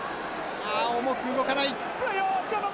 あ重く動かない。